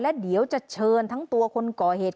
และเดี๋ยวจะเชิญทั้งตัวคนก่อเหตุ